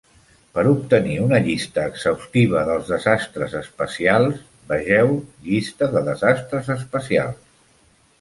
Per obtenir una llista exhaustiva dels desastres espacials, vegeu Llista de desastres espacials.